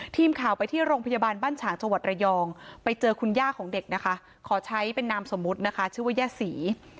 ทีมข่าวไปที่โรงพยาบาลบ้านฉางจังหวัดระยองไปเจอคุณย่าของเด็กนะคะขอใช้เป็นนามสมมุตินะคะชื่อว่าย่าศรี